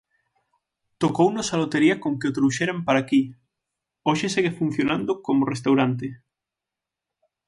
Tocounos a lotería con que o trouxeran para aquí... Hoxe segue funcionando como restaurante.